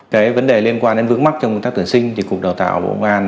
cái vấn đề liên quan đến vướng mắc trong công tác tuyển sinh thì cục đào tạo bộ công an